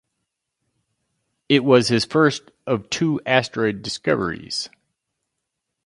It was his first of two asteroid discoveries.